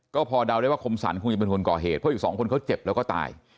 ก็พอเดาได้ว่าคมสรรคงจะเป็นคนก่อเหตุเพราะอีกสองคนเขาเจ็บแล้วก็ตาย